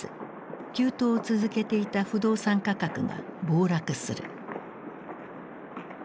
急騰を続けていた不動産価格が暴落する。